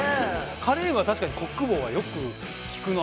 カレームは確かにコック帽はよく聞くなあ。